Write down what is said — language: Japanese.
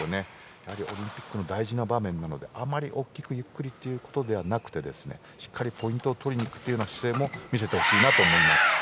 やはりオリンピックの大事な場面なのであまり大きくゆっくりということではなくてしっかりポイントを取りにいく姿勢も見せてほしいと思います。